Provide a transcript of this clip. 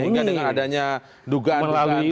sehingga dengan adanya dugaan pelanggaran